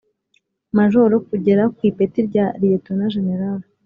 Majoro kugera ku ipeti rya Liyetona Jenerali